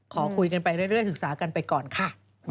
ขอคุยกันไปเรื่อยศึกษากันไปก่อนค่ะ